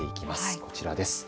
こちらです。